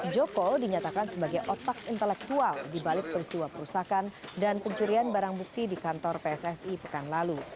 joko dinyatakan sebagai otak intelektual di balik peristiwa perusakan dan pencurian barang bukti di kantor pssi pekan lalu